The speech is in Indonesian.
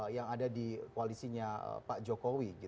yang ada di koalisinya pak jokowi